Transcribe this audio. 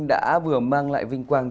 đã vừa mang lại vinh quang